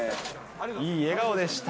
いい笑顔でした。